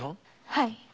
はい。